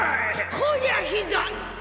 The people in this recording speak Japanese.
こりゃひどい！